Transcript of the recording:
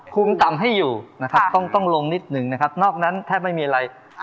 คุ้มต่ำให้อยู่ต้องลงนิดนึงนะครับนอกนั้นแทบไม่มีอะไร